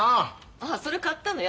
ああそれ買ったのよ。